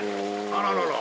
あららら。